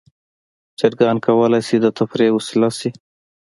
چرګان کولی شي د تفریح وسیله شي.